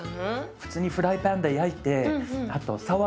普通にフライパンで焼いてあ。